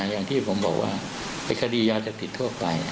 อย่างที่ผมบอกว่าปริศนาธิตฯทั่วไป